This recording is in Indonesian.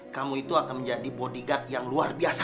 kamu itu akan menjadi bodigat yang luar biasa